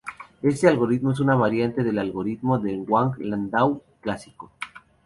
Este algoritmo es una variante del algoritmo de Wang-Landau clásico.